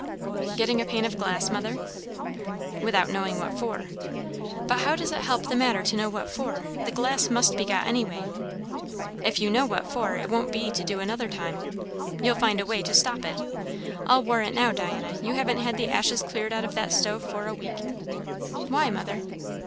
"Getting a pane of glass, mother?" "Without knowing what for." "But how does it help the matter to know what for? The glass must be got anyway." "If you know what for, it won't be to do another time. You'll find a way to stop it. I'll warrant, now, Diana, you haven't had the ashes cleared out of that stove for a week." "Why, mother?"